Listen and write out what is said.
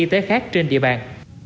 cơ sở y tế khác trên địa bàn